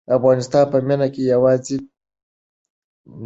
د افغانستان په مینه کې یو ځای شو.